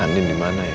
andin dimana ya